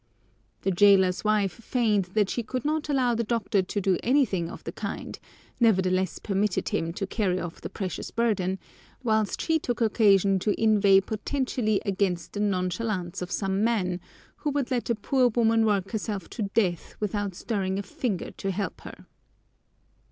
The jailer's wife feigned that she could not allow the doctor to do anything of the kind, nevertheless permitted him to carry off the precious burden, whilst she took occasion to inveigh pointedly against the nonchalance of some men, who would let a poor woman work herself to death without stirring a finger to help her.